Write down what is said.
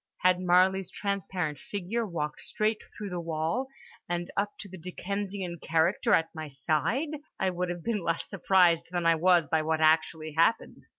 Had Marley's transparent figure walked straight through the wall and up to the Dickensian character at my side, I would have been less surprised than I was by what actually happened.